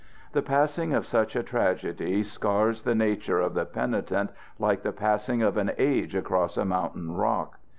The passing of such a tragedy scars the nature of the penitent like the passing of an age across a mountain rock.